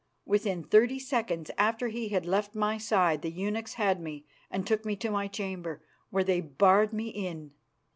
Within thirty seconds after he had left my side the eunuchs had me and took me to my chamber, where they barred me in.